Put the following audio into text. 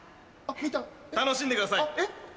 楽しんでください！